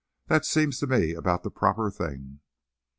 That seems to me about the proper thing."